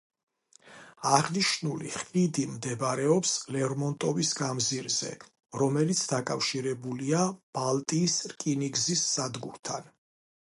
აღნიშნული ხიდი, მდებარეობს ლერმონტოვის გამზირზე, რომელიც დაკავშირებულია ბალტიის რკინიგზის სადგურთან.